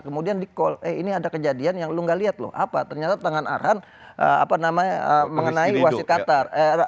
kemudian ini ada kejadian yang lu gak lihat loh apa ternyata tangan arhan mengenai wasit qatar